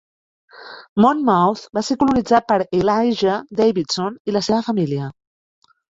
Monmouth va ser colonitzat per Elijah Davidson i la seva família.